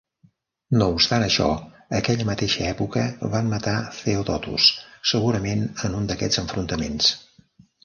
No obstant això, aquella mateixa època van matar Theodotus, segurament en un d'aquests enfrontaments.